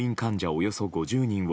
およそ５０人を